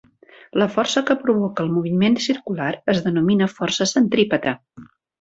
La força que provoca el moviment circular es denomina força centrípeta.